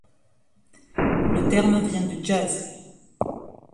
Le terme vient du jazz.